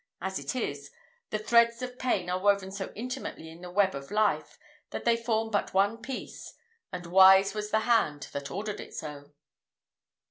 As it is, the threads of pain are woven so intimately in the web of life, that they form but one piece; and wise was the hand that ordered it so."